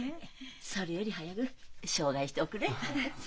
それより早く紹介しておくれ。